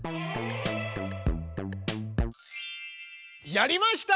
やりました！